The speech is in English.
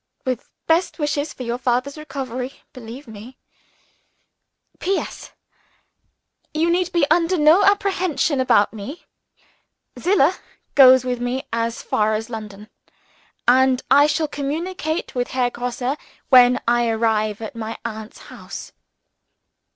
With best wishes for your father's recovery, believe me, "Yours very truly, "LUCILLA. "P. S. You need be under no apprehension about me. Zillah goes with me as far as London; and I shall communicate with Herr Grosse when I arrive at my aunt's house."